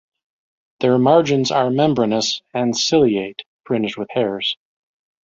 Their margins are membranous and ciliate (fringed with hairs).